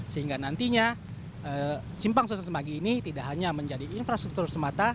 sehingga nantinya simpang susu semanggi ini tidak hanya menjadi infrastruktur semata